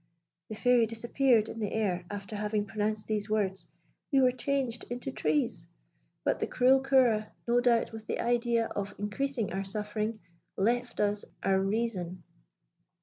The Fairy disappeared in the air after having pronounced these words. We were changed into trees; but the cruel Ceora, no doubt with the idea of increasing our suffering, left us our reason.